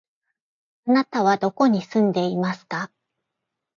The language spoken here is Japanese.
あなたはどこに住んでいますか？